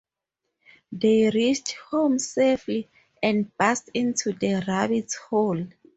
They reached home safely and burst into the rabbit hole.